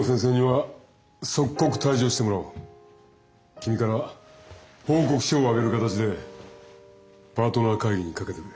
君から報告書を上げる形でパートナー会議にかけてくれ。